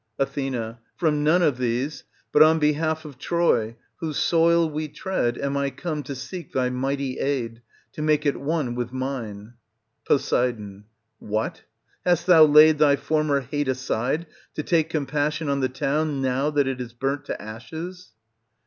Ath. From none of these ; but on behalf of Troy, whose soil we tread, am I come to seek thy mighty aid, to make it one with mine. Pos. What ! hast thou laid thy former hate aside to take compassion on the town now that it is burnt to ashes